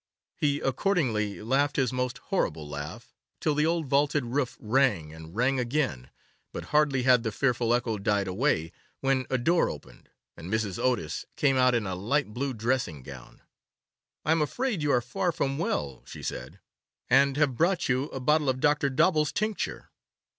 He accordingly laughed his most horrible laugh, till the old vaulted roof rang and rang again, but hardly had the fearful echo died away when a door opened, and Mrs. Otis came out in a light blue dressing gown. 'I am afraid you are far from well,' she said, 'and have brought you a bottle of Dr. Dobell's tincture.